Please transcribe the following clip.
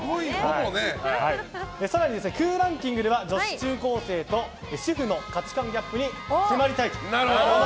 更に、空欄キングでは女子高校生と主婦の価値観ギャップを見ていきたいと。